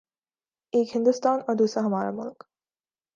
:ایک ہندوستان اوردوسرا ہمارا ملک۔